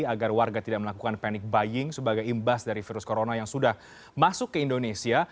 agar warga tidak melakukan panic buying sebagai imbas dari virus corona yang sudah masuk ke indonesia